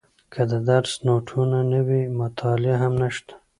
که د درس نوټونه نه وي مطالعه هم نشته.